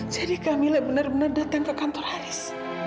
jadi kamilah benar benar datang ke kantor haris